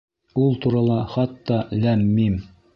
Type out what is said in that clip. Ул турала хатта ләм-мим.